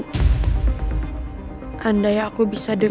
kerannya aku berasa si este rena